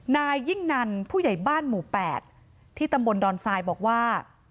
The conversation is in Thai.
นายยิ่งนันผู้ใหญ่บ้านหมู่๘ที่ตำบลดอนทรายบอกว่า